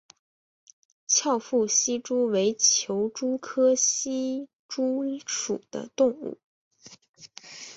翘腹希蛛为球蛛科希蛛属的动物。